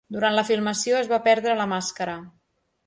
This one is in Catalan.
Durant la filmació es va perdre la màscara.